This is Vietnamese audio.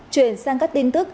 chuyển sang các tin tức